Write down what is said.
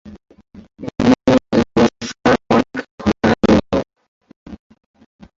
এই দুইজন জলদস্যুতার অনেক ঘটনায় জড়িত।